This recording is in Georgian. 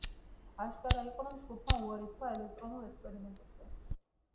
აშკარა იყო, რომ ჯგუფმა უარი თქვა ელექტრონულ ექსპერიმენტებზე.